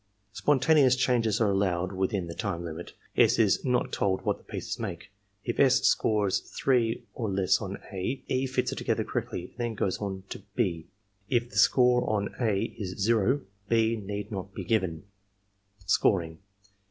Spontaneous changes are allowed within the time limit, S. ia not told what the pieces make. If S. scores 3 or less on (a), E. fits it together correctly and then goes on to (&), If the score on (a) ia 0, (6) need not be given. 104 ARMY MENTAL TESTS Scoring.